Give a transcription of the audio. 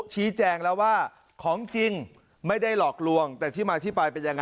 ชี้แจงแล้วว่าของจริงไม่ได้หลอกลวงแต่ที่มาที่ไปเป็นยังไง